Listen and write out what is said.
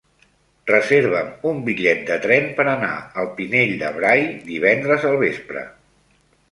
Reserva'm un bitllet de tren per anar al Pinell de Brai divendres al vespre.